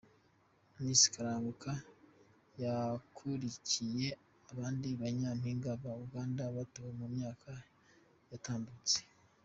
Miss Kalanguka yakurikiye abandi ba Nyampinga ba Uganda batowe mu myaka yatambutse:.